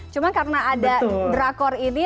cuma karena ada drakor ini